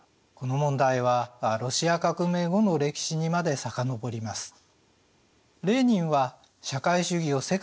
この問題はロシア革命後の歴史にまで遡ります。